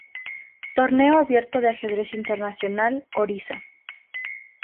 Torneo Abierto de Ajedrez Internacional Orissa.